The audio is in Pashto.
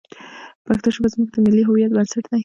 پښتو ژبه زموږ د ملي هویت بنسټ دی.